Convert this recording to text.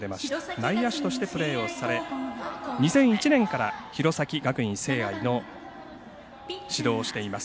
内野手としてプレーをされ２００１年から弘前学院聖愛の指導をしています。